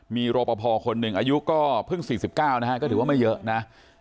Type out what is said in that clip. มีรอปภคนหนึ่งอายุก็เพิ่ง๔๙นะฮะก็ถือว่าไม่เยอะนะ